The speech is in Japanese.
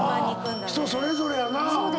人それぞれやなぁ。